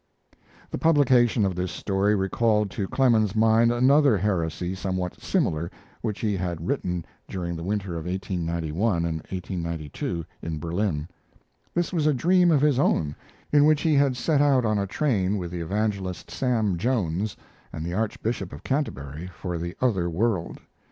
The publication of this story recalled to Clemens's mind another heresy somewhat similar which he had written during the winter of 1891 and 1892 in Berlin. This was a dream of his own, in which he had set out on a train with the evangelist Sam Jones and the Archbishop of Canterbury for the other world.